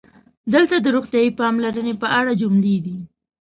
دلته د "روغتیايي پاملرنې" په اړه جملې دي: